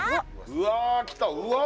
うわ来たうわ